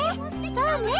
そうね！